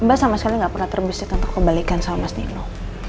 mbak sama sekali gak pernah terbisik atau kebalikan sama mas nino